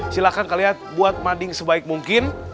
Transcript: silahkan kalian buat mading sebaik mungkin